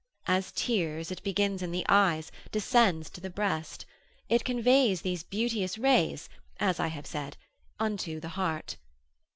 As tears, it begins in the eyes, descends to the breast; it conveys these beauteous rays, as I have said, unto the heart.